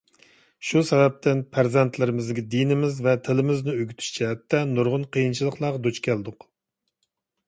شۇ سەۋەبتىن پەرزەنتلىرىمىزگە دىنىمىز ۋە تىلىمىزنى ئۆگىتىش جەھەتتە نۇرغۇن قىيىنچىلىقلارغا دۇچ كەلدۇق.